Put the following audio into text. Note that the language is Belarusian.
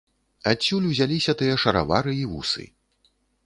Адсюль узяліся тыя шаравары і вусы.